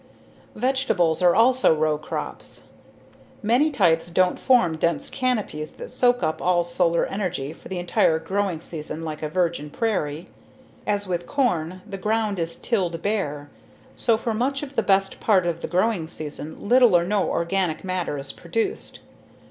Vegetables are also row crops. Many types don't form dense canopies that soak up all solar energy for the entire growing season like a virgin prairie. As with corn, the ground is tilled bare, so for much of the best part of the growing season little or no organic matter is produced.